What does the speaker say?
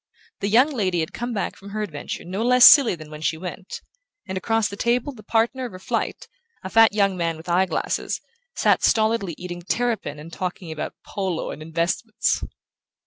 The young lady had come back from her adventure no less silly than when she went; and across the table the partner of her flight, a fat young man with eye glasses, sat stolidly eating terrapin and talking about polo and investments.